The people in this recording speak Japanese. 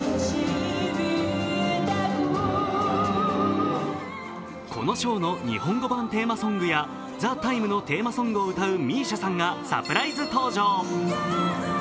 更にこのショーの日本語版テーマソングや「ＴＨＥＴＩＭＥ，」のテーマソングを歌うＭＩＳＩＡさんがサプライズ登場。